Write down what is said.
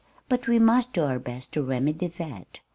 "But we must do our best to remedy that.